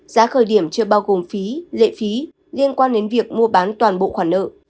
giá khởi điểm chưa bao gồm phí lệ phí liên quan đến việc mua bán toàn bộ khoản nợ